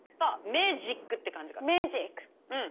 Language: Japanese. メージック。